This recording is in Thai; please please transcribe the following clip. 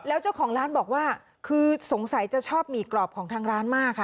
แล้วเจ้าของร้านบอกว่าคือสงสัยจะชอบหมี่กรอบของทางร้านมากค่ะ